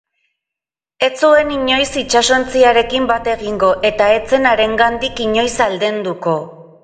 Ez zuen inoiz itsasontziarekin bat egingo eta ez zen harengandik inoiz aldenduko.